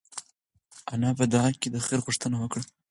انا په دعا کې د خیر غوښتنه وکړه.